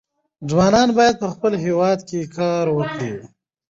ځوانان باید په خپل هېواد کې کار وکړي.